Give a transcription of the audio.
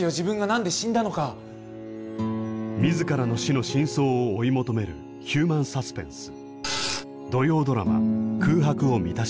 自らの死の真相を追い求めるヒューマンサスペンス。